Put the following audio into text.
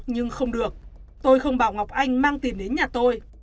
nhưng không được tôi không bảo ngọc anh mang tìm đến nhà tôi